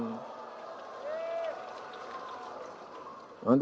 nanti kalau enggak gitu